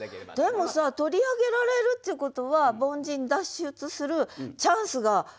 でもさ取り上げられるっていうことは凡人脱出するチャンスが手に入るっていうかさ。